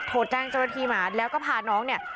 โทรแจ้งเจ้าหน้าที่มาแล้วก็พาน้องเนี่ย